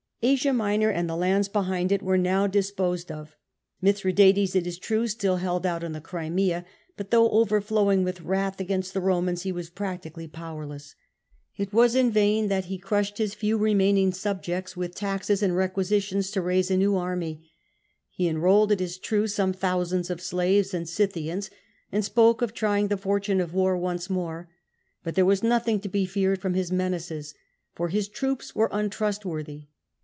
Asia Minor and the lands behind it were now disposed of. Mithradates, it is true, still held out in the Crimea ; but though overflowing with wrath against the Eomans, he was practically powerless. It was in vain that he crushed his few remaining subjects with taxes and re quisitions to raise a new army. He enrolled, it is true, some thousands of slaves and Scythians, and spoke of trying the fortune of war once more. But there was nothing to be feared from his menaces, for his troops were untrustworthy.